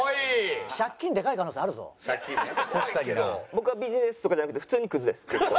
僕はビジネスとかじゃなくて普通にクズです。